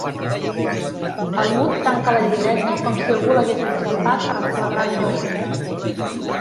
El Mud tanca la llibreta com si algú l'hagués enxampat en flagrant delicte.